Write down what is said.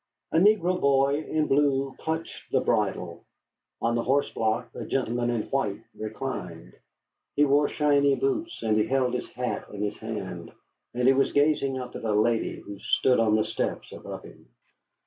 A negro boy in blue clutched the bridle. On the horse block a gentleman in white reclined. He wore shiny boots, and he held his hat in his hand, and he was gazing up at a lady who stood on the steps above him.